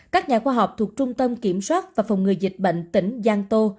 các nhà khoa học thuộc trung tâm kiểm soát và phòng ngừa dịch bệnh tỉnh giang tô